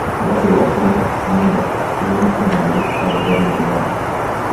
Това било по някаква си нужда, не лично за него, а за верни другари.